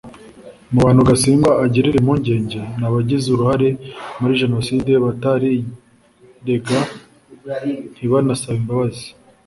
Mu bantu Gasigwa agirira impungenge ni abagize uruhare muri Jenoside batarirega ntibanasabe imbabazi